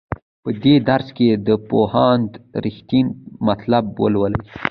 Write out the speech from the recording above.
په دې درس کې د پوهاند رښتین مطلب ولولئ.